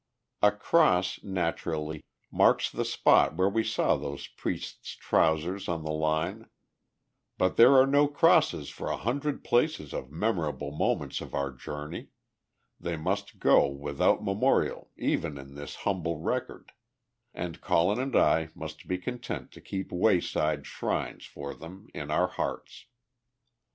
A cross, naturally, marks the spot where we saw those priest's trousers on the line; but there are no crosses for a hundred places of memorable moments of our journey; they must go without memorial even in this humble record, and Colin and I must be content to keep wayside shrines for them in our hearts.